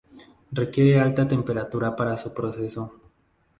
Requiere alta temperatura para su proceso.